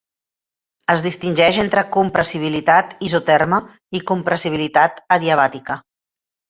Es distingeix entre compressibilitat isoterma i compressibilitat adiabàtica.